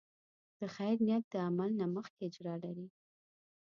د خیر نیت د عمل نه مخکې اجر لري.